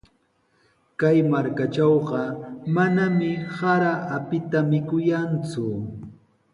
Kay markatrawqa manami sara apita mikuyanku.